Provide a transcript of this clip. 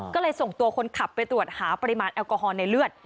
ก็เลยส่งตัวคนขับไปตรวจหาปริมาณแอลกอฮอลในเลือด